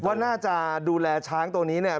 ว่าน่าจะดูแลช้างตัวนี้เนี่ย